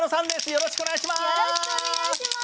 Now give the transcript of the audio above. よろしくお願いします！